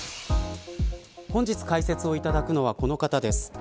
本日、解説を頂くのはこの方です。